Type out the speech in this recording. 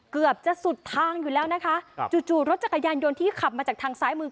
เกือบจะสุดทางอยู่แล้วนะคะครับจู่จู่รถจักรยานยนต์ที่ขับมาจากทางซ้ายมือ